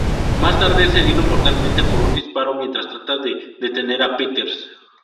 Más tarde, es herido mortalmente por un disparo mientras trata de detener a Peters.